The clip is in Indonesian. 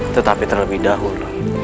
tetapi terlebih dahulu